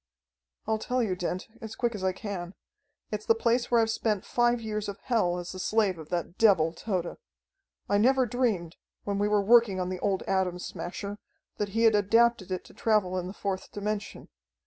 "I'll tell you, Dent, as quick as I can. It's the place where I've spent five years of hell as the slave of that devil, Tode. I never dreamed, when we were working on the old Atom Smasher, that he had adapted it to travel in the fourth dimension.